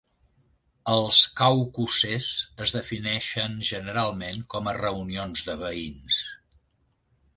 Els "caucuses" es defineixen generalment com a reunions de veïns.